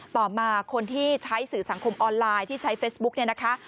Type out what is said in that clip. ต่อมาคนที่ใช้สื่อสังคมออนไลน์ที่ใช้เฟซบุ๊กเนี่ยนะคะ